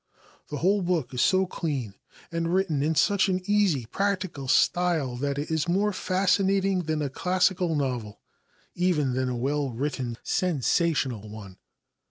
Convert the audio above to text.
The whole book is so clean, and written in such an easy, practical style that it is more fascinating than a classical novel even than a well written sensational one.